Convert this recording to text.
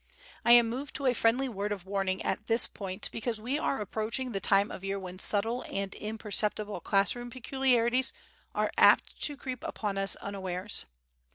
I am moved to a friendly word of warning at this point because we are approaching the time of year when subtle and imperceptible class room peculiarities are apt to creep upon us unawares.